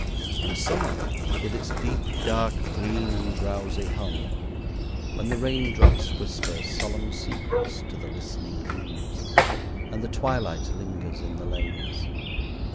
And summer, with its deep dark green and drowsy hum when the rain drops whisper solemn secrets to the listening leaves and the twilight lingers in the lanes!